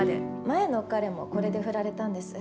前の彼もこれで振られたんです。